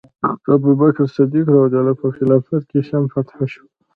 د ابوبکر صدیق په خلافت کې شام فتح شو.